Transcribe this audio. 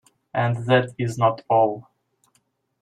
And that is not all.